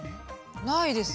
ないです。